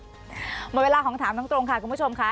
หมดเวลาของถามตรงค่ะคุณผู้ชมค่ะ